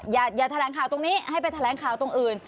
อย่าแถลงข่าวตรงนี้ให้ไปแถลงข่าวตรงอื่น